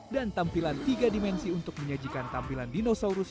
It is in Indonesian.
dan tampilan tiga dimensi untuk menyajikan tampilan dinosaurus